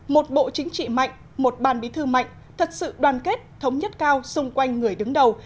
một bộ chính trị mạnh một bàn bí thư mạnh thật sự đoàn kết thống nhất cao xung quanh người đứng đầu